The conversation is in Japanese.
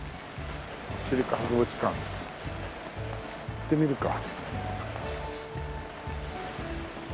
シルク博物館行ってみるか。